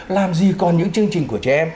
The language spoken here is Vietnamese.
làm gì còn những chương trình của trẻ em